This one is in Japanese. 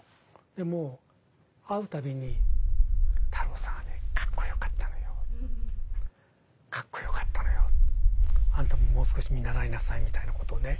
でも会う度に太郎さんはねかっこよかったのよかっこよかったのよあんたももう少し見習いなさいみたいなことをね